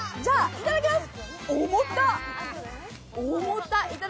いただきます。